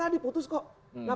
atau huruf d